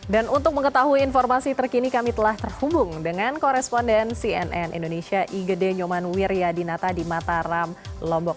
dan untuk mengetahui informasi terkini kami telah terhubung dengan koresponden cnn indonesia igede nyoman wiryadinata di mataram lombok